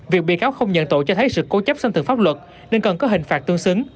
việc bị cáo không nhận tội cho thấy sự cố chấp sân thượng pháp luật nên cần có hình phạt tương xứng